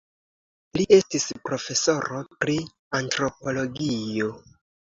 Li estis profesoro pri antropologio.